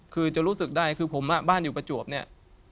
คือจะรู้สึกได้คือผมบ้านอยู่ประจวบเนี่ย